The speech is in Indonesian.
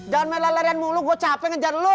jangan main larian larian mulu gue capek ngejar lo